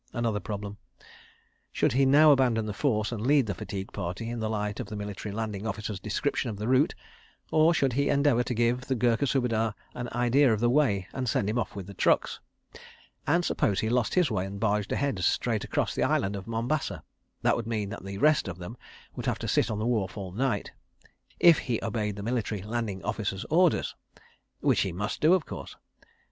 Another problem! Should he now abandon the force and lead the fatigue party in the light of the Military Landing Officer's description of the route, or should he endeavour to give the Gurkha Subedar an idea of the way, and send him off with the trucks? And suppose he lost his way and barged ahead straight across the Island of Mombasa? That would mean that the rest of them would have to sit on the wharf all night—if he obeyed the Military Landing Officer's orders. ... Which he must do, of course. ..